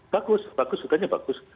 bagus bagus ternyata bagus